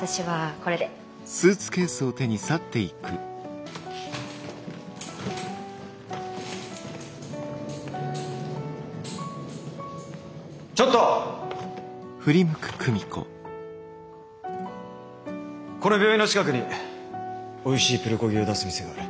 この病院の近くにおいしいプルコギを出す店がある。